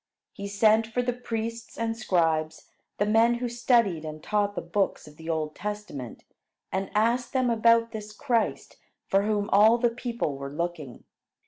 He sent for the priests and scribes, the men who studied and taught the books of the Old Testament, and asked them about this Christ for whom all the people were looking.